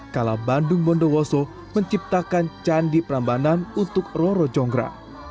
kala bandung bondowoso menciptakan candi prambanan untuk roro jonggra